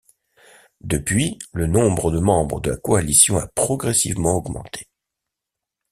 Depuis, le nombre de membres de la coalition a progressivement augmenté.